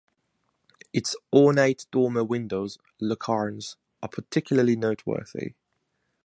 Its ornate dormer windows ("lucarnes") are particularly noteworthy.